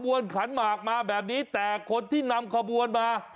ขันหมากมาแบบนี้แต่คนที่นำขบวนมา